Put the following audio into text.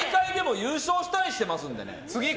優勝したりしてますのでね。